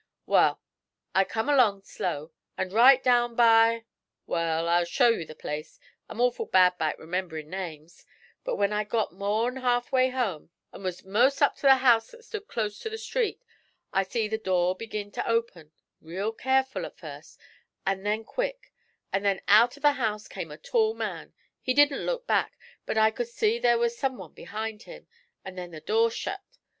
'Wal, I come along slow, and right down by wall, I'll show you the place, I'm awful bad 'bout rememberin' names; but when I'd got more'n half way home, an' was 'most up to a house that stood close to the street, I see the door begin to open, real careful at first, an' then quick; an' then out of the house came a tall man. He didn't look back, but I c'd see there was some one behind him, an' then the door shet.